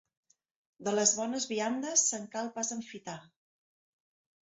De les bones viandes se'n cal pas enfitar.